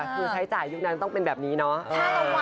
คือใช้จ่ายยุคนั้นต้องเป็นแบบนี้เนาะ